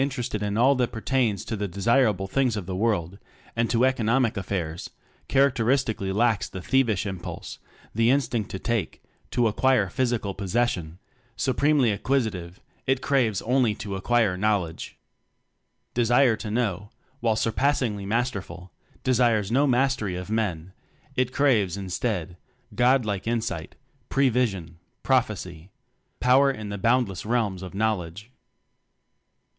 terested in all that pertains to the In this, as in many other seem desirable things of the world and to TECHNOCRACY economic affairs, characteristically lacks the thievish impulse the In stinct to Take, to acquire physical possession: supremely acquisitive it craves only to acquire Knowledge. Desire to Know, while surpass ingly Masterful, desires no mastery of Men; it craves instead, God like insight, pre vision, prophecy power in the boundless realms of Knowl edge.